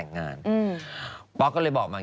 ก็คงมีศักดิ์เป็นหลาน